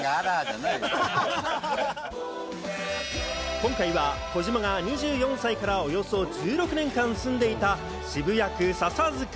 今回は児嶋が２４歳からおよそ１６年間住んでいた渋谷区笹塚。